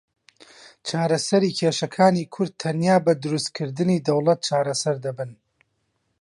چارەسەری کێشەکانی کورد تەنیا بە دروستکردنی دەوڵەت چارەسەر دەبن.